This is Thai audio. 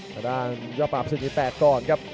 ทางด้านยอดป่าศึกนี้แตกก่อนครับ